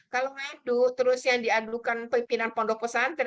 kalau ngadu terus yang diadukan pimpinan pondok pesantren